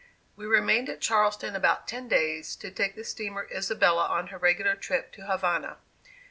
We remained at Charleston about ten days, to take the steamer "Isabella" on her regular trip to Havana.